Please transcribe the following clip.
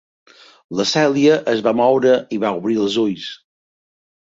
La Celia es va moure i va obrir els ulls.